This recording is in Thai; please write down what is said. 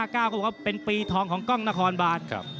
เขาบอกว่าเป็นปีทองของกล้องนครบาน